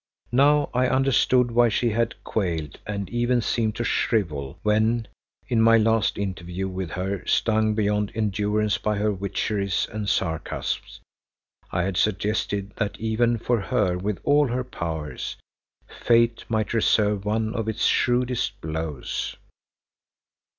Now I understood why she had quailed and even seemed to shrivel when, in my last interview with her, stung beyond endurance by her witcheries and sarcasms, I had suggested that even for her with all her powers, Fate might reserve one of its shrewdest blows.